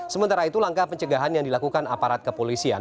sementara itu langkah pencegahan yang dilakukan aparat kepolisian